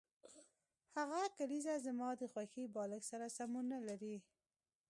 هغه کلیزه زما د خوښې بالښت سره سمون نلري